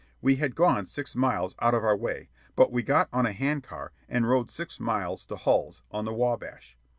We had gone six miles out of our way, but we got on a hand car and rode six miles to Hull's, on the Wabash.